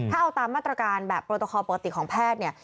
ถ้าเอาตามมาตรการแบบโปรตคอลปกติของแพทย์เนี่ย